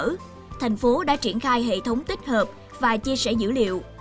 ở thành phố đã triển khai hệ thống tích hợp và chia sẻ dữ liệu